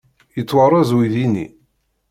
Yettwarez uydi-nni?